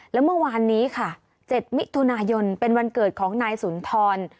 แล้วเมื่อวานนี้ค่ะ๗มิถุนายนเป็นวันเกิดของนายสุนทร